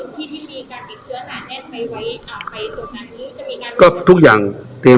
วิธีการติดเชื้อสารแน่นไปไว้ออกไปตรงนั้นมีการบอกไหม